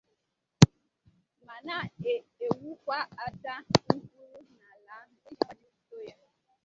ma na-ewukwa aja ngwùrù n'ala ahụ iji gbachibido ya.